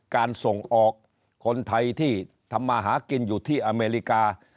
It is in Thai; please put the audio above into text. การส่งออกคนไทยที่ทำมาหากินอยู่ที่อเมริกา